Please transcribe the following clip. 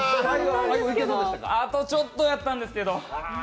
あとちょっとやったんですけど。